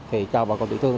thì cho bà con tiểu thương